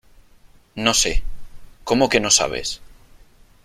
No sé .¿ cómo que no sabes ?